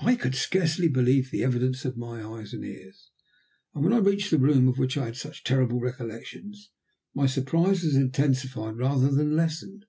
I could scarcely believe the evidence of my eyes and ears, and when I reached the room of which I had such terrible recollections, my surprise was intensified rather than lessened.